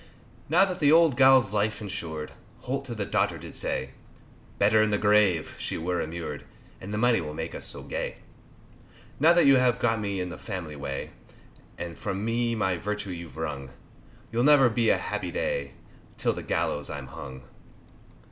Now that the old gal's life's insured, Holt to the daughter did say, Better in the grave she were immured, And the money will make us so gay. Now that you have got me in the family way, And from me my virtue you've wrung, You'll never be happy a day, Till on the gallows I'm hung.